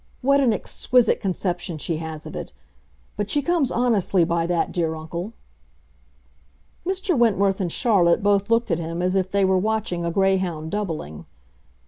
"What an exquisite conception she has of it! But she comes honestly by that, dear uncle." Mr. Wentworth and Charlotte both looked at him as if they were watching a greyhound doubling.